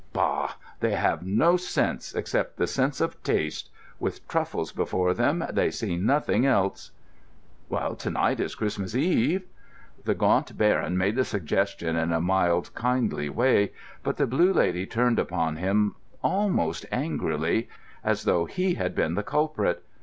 Bah! They have no sense, except the sense of taste: with truffles before them, they see nothing else." "To night is Christmas Eve." The Gaunt Baron made the suggestion in a mild, kindly way, but the Blue Lady turned upon him almost angrily, as though he had been the culprit.